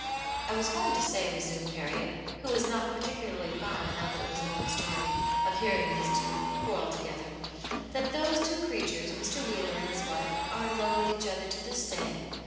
I was going to say," resumed Harriet, who was not particularly fond, now that it was an old story, of hearing these two quarrel together, "that those two creatures, Mr. Wheeler and his wife, are in love with each other to this day.